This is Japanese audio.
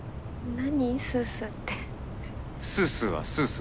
何？